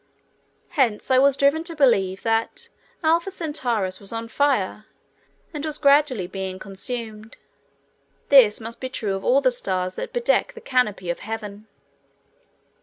Hence I was driven to believe that Alpha Centaurus was on fire and was gradually being consumed; this must be true of all the stars that bedeck the canopy of Heaven.